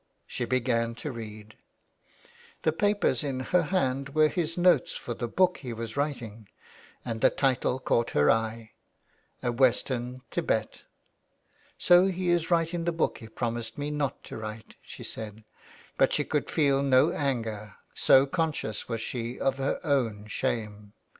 She began to read. The papers in her hand were his notes for the book he was writing, and the title caught her eye, '' A Western Thibet." " So he is writing the book he promised me not to write," she said. But she could feel no anger, so conscious was she of her ov/n shame.